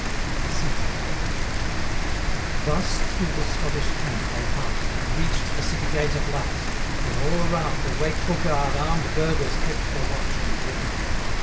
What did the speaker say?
135 VI. Thus through the Scottish camp they pass'd, And reach'd the City gate at last, Where all around, a wakeful guard, Arm'd burghers kept their watch and ward.